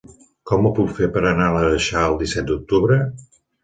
Com ho puc fer per anar a l'Aleixar el disset d'octubre?